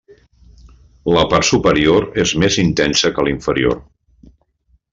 La part superior és més intensa que la inferior.